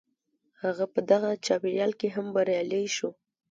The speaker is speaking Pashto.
هغه په دغه چاپېريال کې هم بريالی شو.